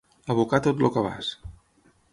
Abocar tot el cabàs.